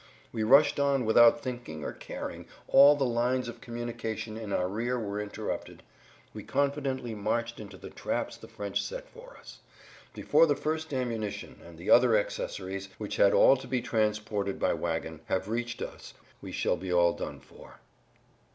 We rushed on without thinking or caring, all the lines of communication in our rear were interrupted—we confidently marched into the traps the French set for us. Before the first ammunition and the other accessories, which had all to be transported by wagon, have reached us we shall be all done for."